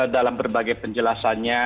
dalam berbagai penjelasannya